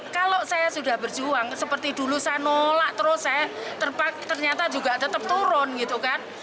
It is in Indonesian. kalau saya sudah berjuang seperti dulu saya nolak terus saya ternyata juga tetap turun gitu kan